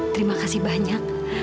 terima kasih banyak